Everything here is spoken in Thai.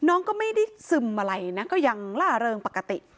น้องก็ไม่ได้ซึมอะไรนะก็ยังล่าเริงปกติ